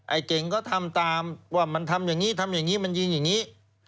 เก่งก็ทำตามว่ามันทำอย่างนี้ทำอย่างนี้มันยิงอย่างนี้